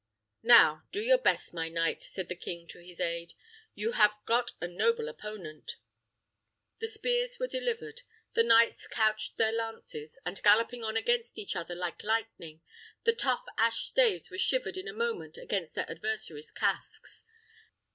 "Now do your best, my knight," said the king to his aid; "you have got a noble opponent." The spears were delivered, the knights couched their lances, and galloping on against each other like lightning, the tough ash staves were shivered in a moment against their adversaries' casques.